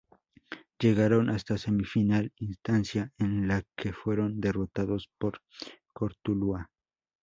Llegaron hasta semifinal, instancia en la que fueron derrotados por Cortuluá.